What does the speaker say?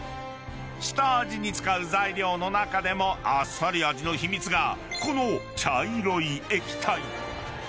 ［下味に使う材料の中でもあっさり味の秘密がこの茶色い液体］